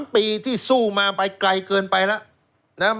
๓ปีที่สู้มาไปไกลเกินไปแล้ว